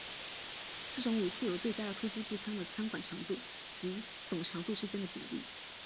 这种武器有最佳的突击步枪的枪管长度及总长度之间的比例。